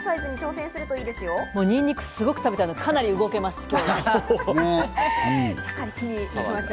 にんにくすごく食べたので、かなり今日は動けます。